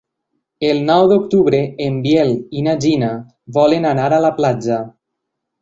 El nou d'octubre en Biel i na Gina volen anar a la platja.